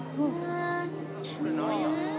これ何や？